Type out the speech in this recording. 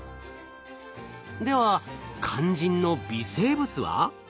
では肝心の微生物は？